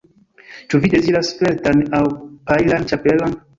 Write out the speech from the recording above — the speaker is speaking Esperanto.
Ĉu vi deziras feltan aŭ pajlan ĉapelon?